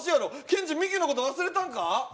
ケンジミキのこと忘れたんか？